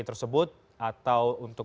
tersebut atau untuk